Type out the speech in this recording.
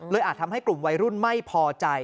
อาจทำให้กลุ่มวัยรุ่นไม่พอใจ